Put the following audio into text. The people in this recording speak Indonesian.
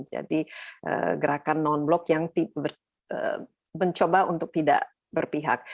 gerakan non blok yang mencoba untuk tidak berpihak